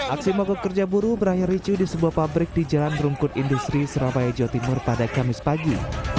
aksi mogok kerja buruh berakhir ricu di sebuah pabrik di jalan rungkut industri surabaya jawa timur pada kamis pagi